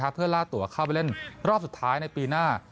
เพื่อล่าตัวเข้าไปเล่นรอบสุดท้ายในปีหน้า